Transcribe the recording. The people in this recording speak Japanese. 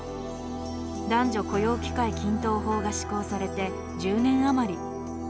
男女雇用機会均等法が施行されて１０年余り。